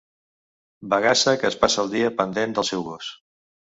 Bagassa que es passa el dia pendent del seu gos.